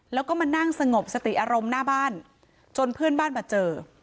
แล้วก็มานั่งสงบสติอารมณ์หน้าบ้านจนเพื่อนบ้านมาเจอ